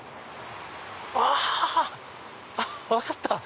あ分かった！